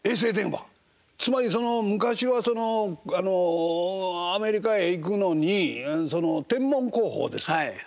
つまり昔はあのアメリカへ行くのに天文航法ですか？